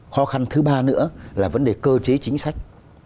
khó khăn thứ ba nữa là vấn đề cơ chế chính sách